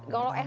kalau sd bu